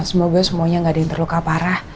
semoga semuanya gak ada yang terluka parah